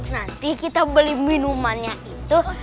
nanti kita beli minumannya itu